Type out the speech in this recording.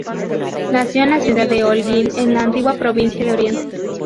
Nació en la ciudad de Holguín, en la antigua provincia de Oriente.